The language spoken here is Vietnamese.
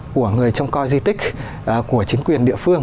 của người trông coi di tích của chính quyền địa phương